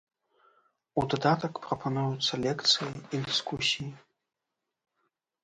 У дадатак прапануюцца лекцыі і дыскусіі.